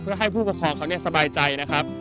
เพื่อให้ผู้ประคองเขาเนี่ยสบายใจนะครับ